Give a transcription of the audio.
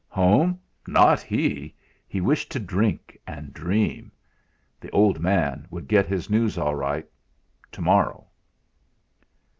Home! Not he! He wished to drink and dream. "The old man" would get his news all right to morrow!